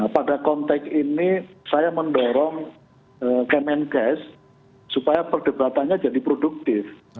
pada konteks ini saya mendorong kemenkes supaya perdebatannya jadi produktif